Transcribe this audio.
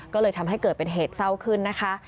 ก็เลยทำให้เกิดเป็นเหตุเศร้าขึ้นนะคะ